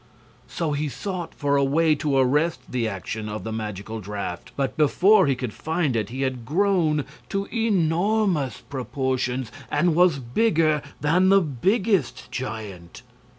So he sought for a way to arrest the action of the magical draft; but before he could find it he had grown to enormous proportions, and was bigger than the biggest giant.